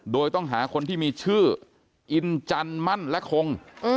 โดยต้องหาคนที่มีชื่ออินจันมั่นและคง